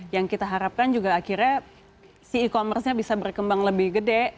yang kita harapkan juga akhirnya si e commerce nya bisa berkembang lebih gede